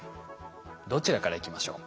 どちらからいきましょう？